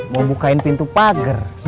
mau bukain pintu pagar